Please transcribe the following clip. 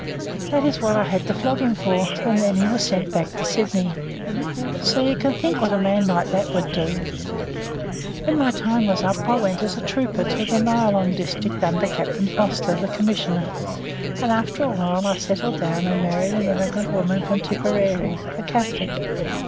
That is what I had to flog him for, and then he was sent back to Sydney. So you can just think what a man like that would do. When my time was up I went as a trooper to the Nyalong district under Captain Foster, the Commissioner, and after a while I settled down and married an immigrant woman from Tipperary, a Catholic.